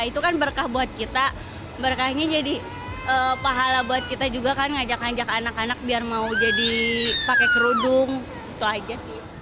itu kan berkah buat kita berkahnya jadi pahala buat kita juga kan ngajak ngajak anak anak biar mau jadi pakai kerudung itu aja